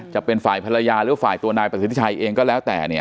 จะเป็นฝ่ายภรรยาหรือฝ่ายตัวนายประสิทธิชัยเองก็แล้วแต่เนี่ย